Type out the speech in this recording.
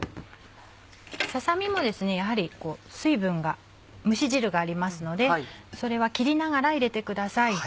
ささ身もやはり水分が蒸し汁がありますのでそれは切りながら入れてください。